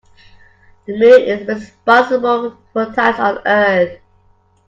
The moon is responsible for tides on earth.